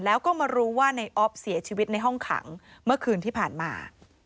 แล้วก็มารู้ว่าในออฟเสียชีวิตในห้องขังเมื่อคืนที่ผ่านมา